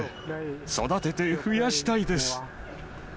育てて増やしたいです。